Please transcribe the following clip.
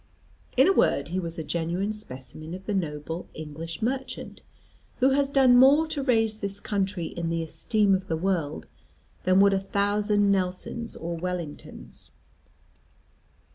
In a word, he was a genuine specimen of the noble English merchant, who has done more to raise this country in the esteem of the world than would a thousand Nelsons or Wellingtons.